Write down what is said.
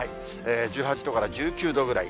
１８度から１９度ぐらい。